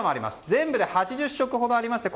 全部で８０色ほどありまして